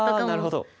なるほど。